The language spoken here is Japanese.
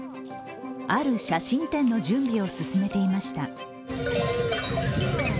ある写真展の準備を進めていました。